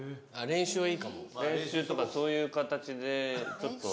練習とかそういう形でちょっと。